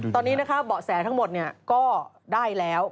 ตอนนี้นะคะเบาะแสทั้งหมดก็ได้แล้ว